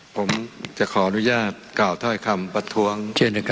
ผมจะขออนุญาตเก่าถ้อยคำประท้วง